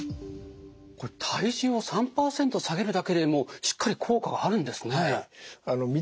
これ体重を３％下げるだけでもしっかり効果があるんですね。